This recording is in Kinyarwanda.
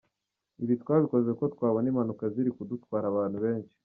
Ibi twabikoze kuko twabona impanuka ziri kudutwara abantu benshi.